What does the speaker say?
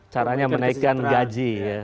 caranya menaikkan gaji ya